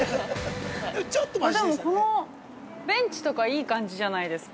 でも、このベンチとかいい感じじゃないですか。